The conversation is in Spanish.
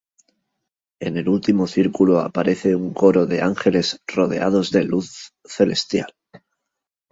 En el último círculo aparece un coro de ángeles rodeados de luz celestial.